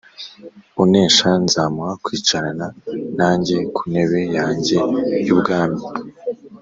Unesha nzamuha kwicarana nanjye ku ntebe yanjye y’ubwami,